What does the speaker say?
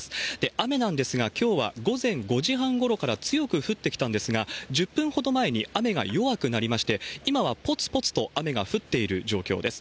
雨なんですが、きょうは午前５時半ごろから強く降ってきたんですが、１０分ほど前に雨が弱くなりまして、今はぽつぽつと雨が降っている状況です。